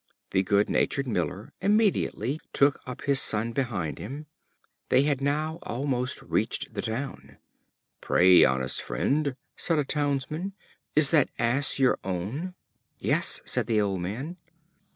The good natured Miller immediately took up his Son behind him. They had now almost reached the town. "Pray, honest friend," said a townsman, "is that Ass your own?" "Yes," says the old Man.